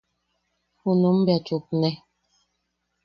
Junum bea chupne.